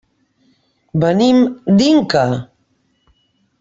Venim d'Inca.